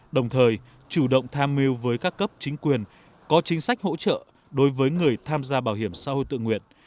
đồng thời chủ động tham mưu với các cấp chính quyền có chính sách hỗ trợ đối với người tham gia bảo hiểm xã hội tự nguyện